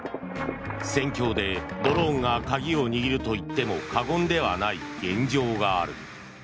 戦況でドローンが鍵を握るといっても過言ではない現状がある。